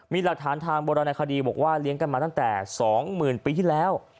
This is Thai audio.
มีหลักฐานทางโบราณคดีบอกว่าเลี้ยงกันมาตั้งแต่๒๐๐๐ปีที่แล้ว